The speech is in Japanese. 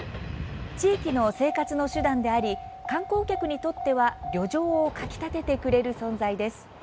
地域の生活の手段であり観光客にとっては旅情をかきたててくれる存在です。